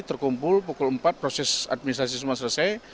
terkumpul pukul empat proses administrasi semua selesai